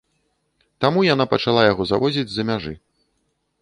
Таму яна пачала яго завозіць з-за мяжы.